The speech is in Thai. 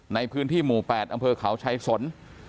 ในพื้นที่หมู่๘อำเภอเขาชัยสน